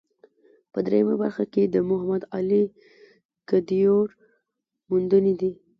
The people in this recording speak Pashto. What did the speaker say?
په درېیمه برخه کې د محمد علي کدیور موندنې دي.